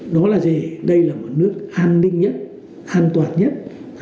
đó là gì đây là một nước an ninh nhất an toàn nhất